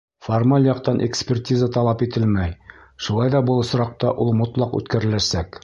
Формаль яҡтан экспертиза талап ителмәй, шулай ҙа был осраҡта ул мотлаҡ үткәреләсәк.